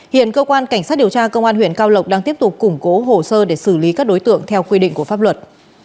hiện cơ quan cảnh sát điều tra công an huyện cao lộc đang tiếp tục củng cố hồ sơ để xử lý các đối tượng theo quy định của pháp luật